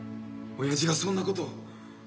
おやじがそんなことを。